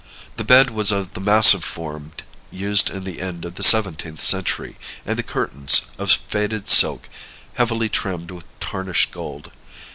The bed was of the massive form used in the end of the seventeenth century, and the curtains of faded silk, heavily trimmed with tarnished gold.